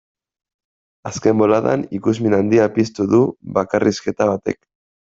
Azken boladan ikusmin handia piztu du bakarrizketa batek.